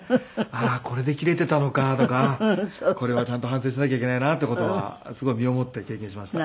ああこれでキレていたのかとかこれはちゃんと反省しなきゃいけないなっていう事はすごい身をもって経験しました。